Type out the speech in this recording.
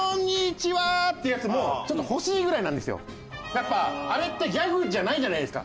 やっぱあれってギャグじゃないじゃないですか。